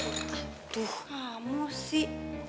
aduh kamu sih